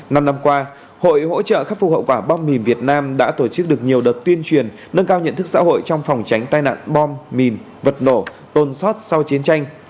năm năm qua hội hỗ trợ khắc phục hậu quả bom mìn việt nam đã tổ chức được nhiều đợt tuyên truyền nâng cao nhận thức xã hội trong phòng tránh tai nạn bom mìn vật nổ tôn xót sau chiến tranh